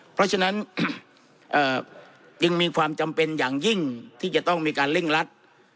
เพราะฉะนั้นยังมีความจำเป็นอย่างยิ่งที่จะต้องมีการเร่งรัด